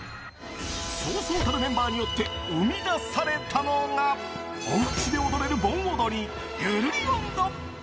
そうそうたるメンバーによって生み出されたのが、おうちで踊れる盆踊り、ぐるり音頭。